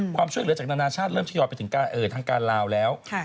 ความช่วยเหลือจากนานาชาติเริ่มทยอยไปถึงทางการลาวแล้ว